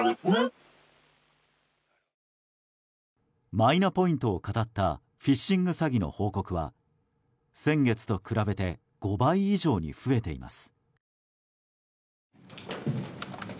マイナポイントをかたったフィッシング詐欺の報告は先月と比べて５倍以上に増えています。